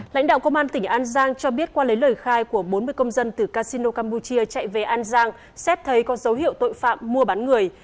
lãnh đạo công an tỉnh an giang cho biết qua lấy lời khai của bốn mươi công dân từ casino campuchia chạy về an giang xét thấy có dấu hiệu tội phạm mua bán người